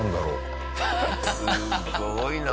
すごいな。